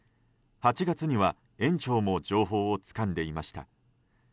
８月には園長も情報をつかんでいました。